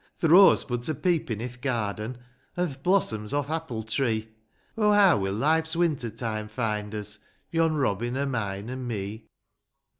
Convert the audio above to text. Th' rosebuds are peepin' i'th garden : An' th' blossom's o'th apple tree ; Oh, heaw will life's winter time find us, Yon Robin o' mine, an' me